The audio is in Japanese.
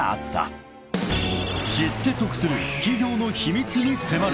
［知って得する企業の秘密に迫る］